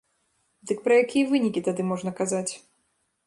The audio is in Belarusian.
Дык пра якія вынікі тады можна казаць?